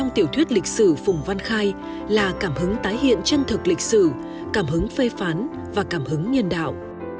tiểu thuyết lịch sử phùng văn khai là cảm hứng tái hiện chân thực lịch sử cảm hứng phê phán và cảm hứng nhân đạo